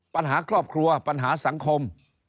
ปัญหาครอบครัวปัญหาสังคม